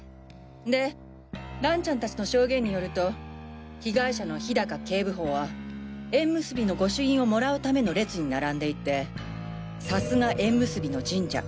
んで蘭ちゃん達の証言によると被害者の氷高警部補は縁結びの御朱印をもらうための列に並んでいて「さすが縁結びの神社